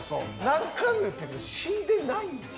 何回も言ってるけど死んでないんやぞ？